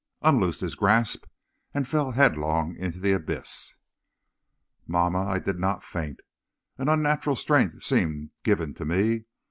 unloosed his grasp, and fell headlong into the abyss. "Mamma, I did not faint. An unnatural strength seemed given to me.